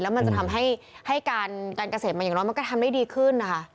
มันจะทำให้การเกษตรมาอย่างน้อยมันก็ทำได้ดีขึ้นนะคะ